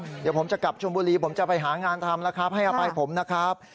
เดี๋ยวผมจะกลับชนบุรีผมจะไปหางานทำละครับพยายามปล่อยผมนะครับ